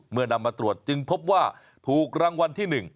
เมื่อนำมาตรวจจึงพบว่าถูกรางวัลที่หนึ่ง